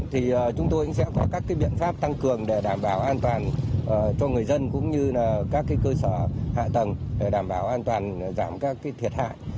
thì chúng tôi cũng sẽ có các biện pháp tăng cường để đảm bảo an toàn cho người dân cũng như là các cơ sở hạ tầng để đảm bảo an toàn giảm các thiệt hại